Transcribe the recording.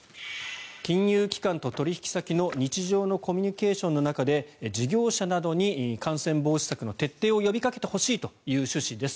金融機関と取引先の日常のコミュニケーションの中で事業者などに感染防止策の徹底を呼びかけてほしいという趣旨です。